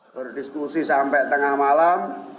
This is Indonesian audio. berdiskusi sampai tengah malam